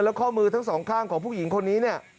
แล้วข้อมือทั้งสองข้างของผู้หญิงคนนี้เนี่ย